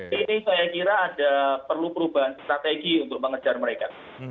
jadi saya kira ada perlu perubahan strategi untuk mengejar mereka